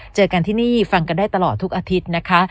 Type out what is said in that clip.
เจอกันที่นี่ฟังกันได้ตลอดทุกอาทิตย์นะคะ